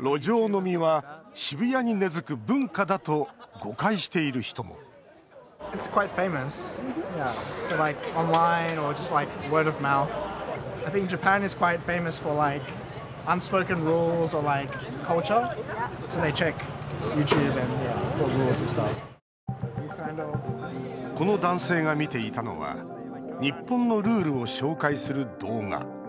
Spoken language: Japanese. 路上飲みは渋谷に根づく文化だと誤解している人もこの男性が見ていたのは日本のルールを紹介する動画。